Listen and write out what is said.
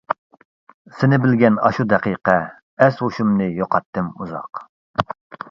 سېنى بىلگەن ئاشۇ دەقىقە، ئەس-ھوشۇمنى يوقاتتىم ئۇزاق.